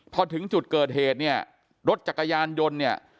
พอถึงจุดเกิดเหตุเนี่ยรถจักรยานยนต์เนี่ย